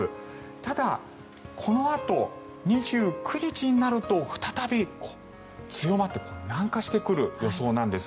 ただ、このあと２９日になると再び強まって南下してくる予想なんです。